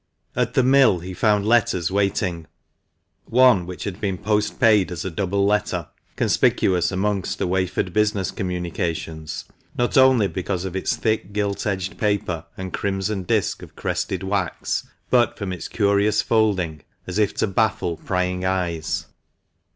At the mill he found letters waiting — one, which had been post paid as a double letter, conspicuous amongst the wafered business communications, not only because of its thick, gilt edged paper, and crimson disk of crested wax, but from its curious folding, as if to baffle prying eyes.